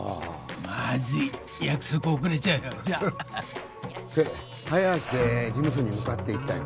まずい約束遅れちゃうよじゃって早足で事務所に向かっていったよ